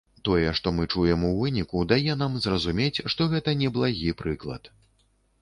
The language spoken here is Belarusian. Тое, што мы чуем у выніку, дае нам зразумець, што гэта неблагі прыклад.